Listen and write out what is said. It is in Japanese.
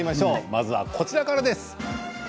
まずは、こちらからです。